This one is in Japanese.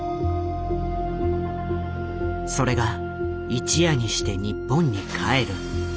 それが一夜にして日本に帰る。